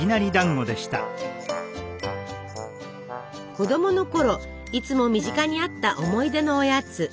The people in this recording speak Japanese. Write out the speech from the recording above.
子供のころいつも身近にあった思い出のおやつ。